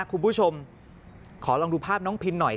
คุณผู้ชมขอลองดูภาพน้องพินหน่อย